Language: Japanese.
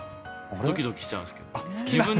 ドキドキしちゃうんですけど。